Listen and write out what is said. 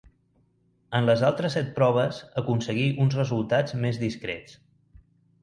En les altres set proves aconseguí uns resultats més discrets.